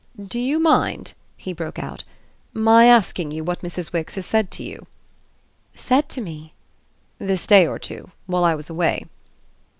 "Do you mind," he broke out, "my asking you what Mrs. Wix has said to you?" "Said to me?" "This day or two while I was away."